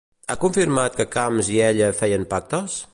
Ha confirmat que Camps i ella feien pactes?